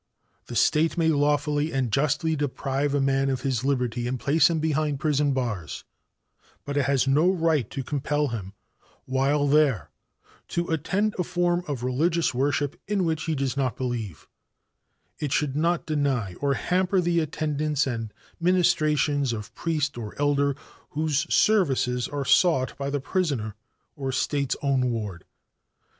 The State may lawfully and justly deprive a man of his liberty and place him behind prison bars; but it has no right to compel him while there to attend a form of religious worship in which he does not believe; it should not deny or hamper the attendance and ministrations of priest or elder whose services are sought by the prisoner or State's own ward.